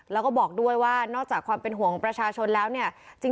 แล้วก็บอกด้วยว่านอกจากความเป็นห่วงประชาชนแล้วเนี่ย